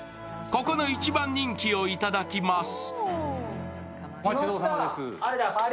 ここの一番人気を頂きます。